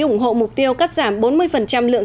ủng hộ mục tiêu cắt giảm bốn mươi lượng